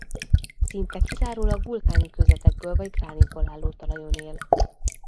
Szinte kizárólag vulkáni kőzetekből vagy gránitból álló talajon él.